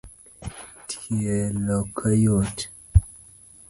Tielo kayot